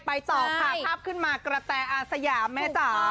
ไปต่อขาดทรัพย์ขึ้นมากระแทอาสยามไม่จ๋า